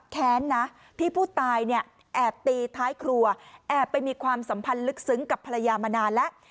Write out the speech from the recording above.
แค้นนะที่ผู้ตายเนี่ยแอบตีท้ายครัวแอบไปมีความสัมพันธ์ลึกซึ้งกับภรรยามานานแล้ว